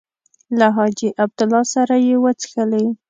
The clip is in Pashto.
له حاجي عبدالله سره یې وڅښلې.